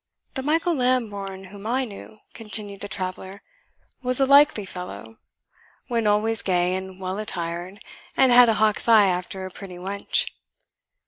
"The Michael Lambourne whom I knew," continued the traveller, "was a likely fellow went always gay and well attired, and had a hawk's eye after a pretty wench."